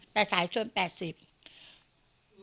แต่สายช่วง๘๐บาท